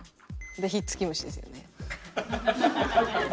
で「ひっつき虫」ですよね。